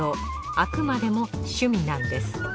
あくまでも趣味なんです。